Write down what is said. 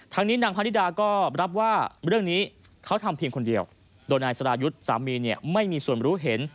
นี้นางพนิดาก็รับว่าเรื่องนี้เขาทำเพียงคนเดียวโดยนายสรายุทธ์สามีเนี่ยไม่มีส่วนรู้เห็น